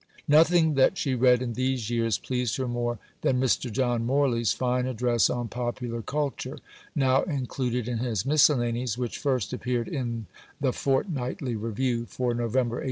Nothing that she read in these years pleased her more than Mr. John Morley's fine address on "Popular Culture," now included in his Miscellanies, which first appeared in the Fortnightly Review for November 1876.